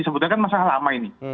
sebetulnya kan masalah lama ini